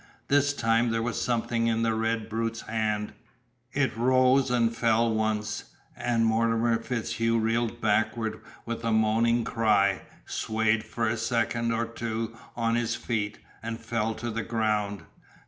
This time there was something in the red brute's hand. It rose and fell once and Mortimer FitzHugh reeled backward with a moaning cry, swayed for a second or two on his feet, and fell to the ground.